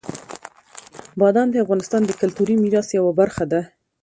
بادام د افغانستان د کلتوري میراث یوه برخه ده.